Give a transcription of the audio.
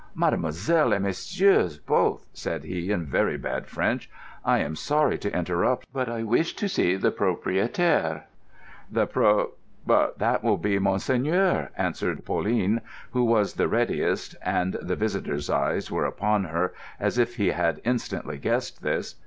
"Mademoiselle and messieurs both," said he in very bad French, "I am sorry to interrupt, but I wish to see the propriétaire." "The pro—— but that will be monseigneur," answered Pauline, who was the readiest (and the visitor's eyes were upon her, as if he had instantly guessed this).